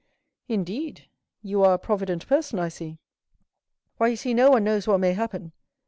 "Indeed! You are a provident person, I see." "Why, you see, no one knows what may happen.